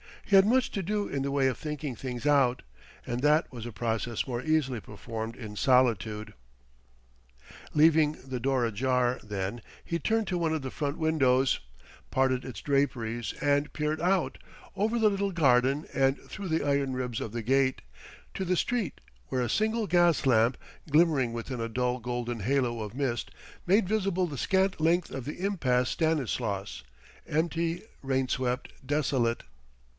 He had much to do in the way of thinking things out; and that was a process more easily performed in solitude. Leaving the door ajar, then, he turned to one of the front windows, parted its draperies, and peered out, over the little garden and through the iron ribs of the gate, to the street, where a single gas lamp, glimmering within a dull golden halo of mist, made visible the scant length of the impasse Stanislas, empty, rain swept, desolate.